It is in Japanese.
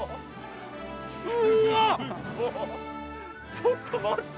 ちょっと待って！